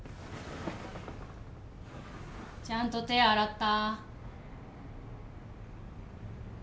ちゃんと手あらった？